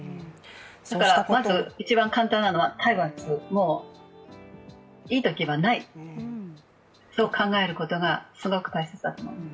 だからまず一番簡単なのは、体罰、いいときはないって、そう考えることがすごく大切だと思います。